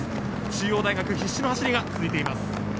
中央大学、必至の走りが続いています。